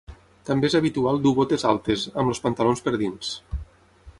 També és habitual dur botes altes, amb els pantalons per dins.